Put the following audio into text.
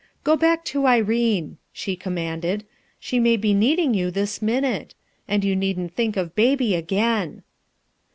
"Go back to Irene/' she commanded. "She may be needing you this minute; and you needn't .think of Baby again."